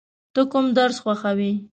ته کوم درس خوښوې؟